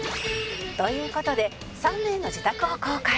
という事で３名の自宅を公開